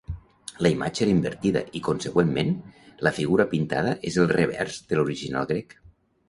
La imatge era invertida i conseqüentment la figura pintada és el revers de l'original grec.